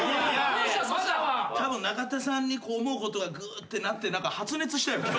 たぶん中田さんに思うことがぐってなって発熱したよ今日。